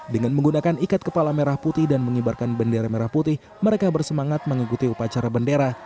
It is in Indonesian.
dengan menggunakan ikat kepala merah putih dan mengibarkan bendera merah putih mereka bersemangat mengikuti upacara bendera